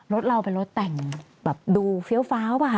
รถเราเป็นรถแต่งแบบดูเฟี้ยวฟ้าว่ะ